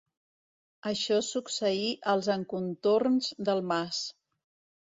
Això succeí als encontorns del mas.